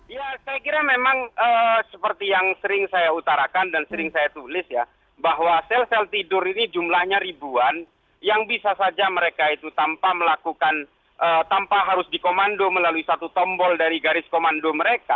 ya saya kira memang seperti yang sering saya utarakan dan sering saya tulis ya bahwa sel sel tidur ini jumlahnya ribuan yang bisa saja mereka itu tanpa melakukan tanpa harus dikomando melalui satu tombol dari garis komando mereka